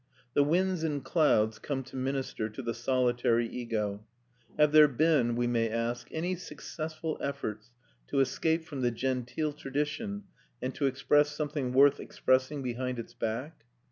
The winds and clouds come to minister to the solitary ego. Have there been, we may ask, any successful efforts to escape from the genteel tradition, and to express something worth expressing behind its back?